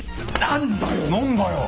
何だよ！？